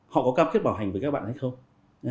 họ có cam kết bảo hành với các bạn hay không